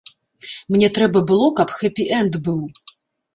Мне трэба было, каб хэпі-энд быў.